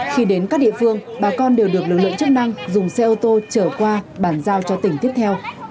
khi đến các địa phương bà con đều được lực lượng chức năng dùng xe ô tô trở qua bàn giao cho tỉnh tiếp theo